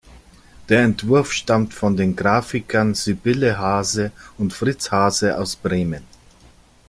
Der Entwurf stammt von den Grafikern Sibylle Haase und Fritz Haase aus Bremen.